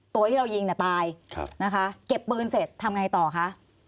ตัวที่เรายิงน่ะตายนะคะเก็บปืนเสร็จทำไงต่อคะ